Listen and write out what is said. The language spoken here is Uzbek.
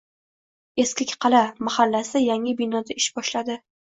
“Eskiqal’a” mahallasi yangi binoda ish boshladi